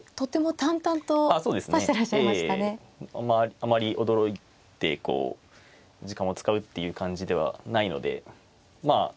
あまり驚いてこう時間を使うっていう感じではないのでまあ